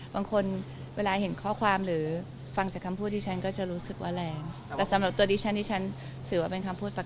เวลาเห็นข้อความหรือฟังจากคำพูดที่ฉันก็จะรู้สึกว่าแรงแต่สำหรับตัวดิฉันดิฉันถือว่าเป็นคำพูดปาก